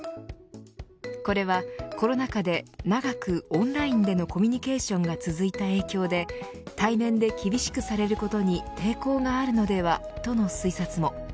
これはコロナ禍で長くオンラインでのコミュニケーションが続いた影響で対面で厳しくされることに抵抗があるのでは、との推察も。